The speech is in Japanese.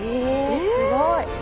ええすごい。